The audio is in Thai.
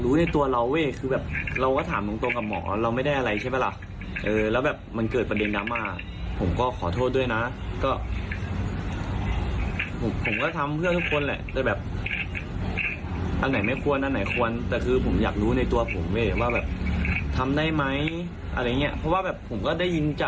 ดูเขาหน่อยก็แล้วกันฮะ